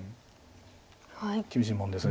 厳しいもんです